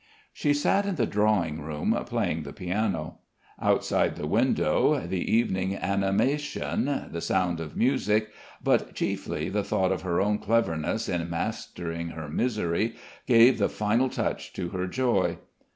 She sat in the drawing room playing the piano. Outside the window the evening animation, the sound of music, but chiefly the thought of her own cleverness in mastering her misery gave the final touch to her joy.